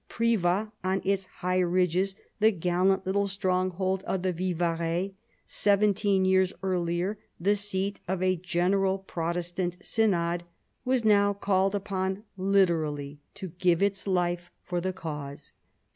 Privas on its high ridge, the gallant little stronghold of the Vivarais, seventeen years earlier the seat of a general Protestant Synod, was now called upon hterally to give its life for the cause.